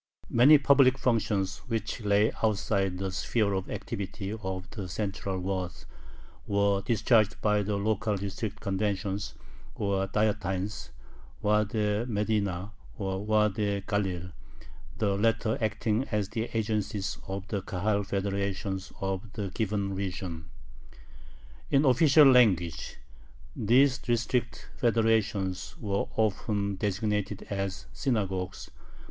Many public functions which lay outside the sphere of activity of the central Waads were discharged by the local District conventions, or "Dietines" (waade medinah, or waade galil), the latter acting as the agencies of the Kahal federations of the given region. In official language these District federations were often designated as "synagogues."